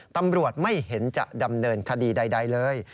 ตำรวจไม่เห็นจะดำเนินคดีใดเลย